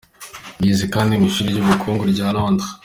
Yize kandi mu Ishuri ry’Ubukungu rya Londres.